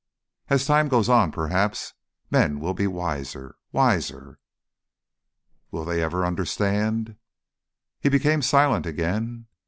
"As time goes on perhaps men will be wiser.... Wiser.... "Will they ever understand?" He became silent again.